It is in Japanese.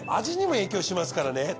味にも影響しますからね。